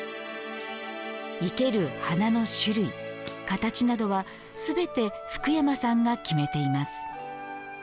生ける花の種類、形などはすべて福山さんが決めています。